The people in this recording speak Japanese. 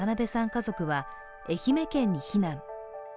家族は愛媛県に避難。